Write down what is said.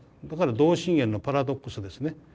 だから同心円のパラドックスですね。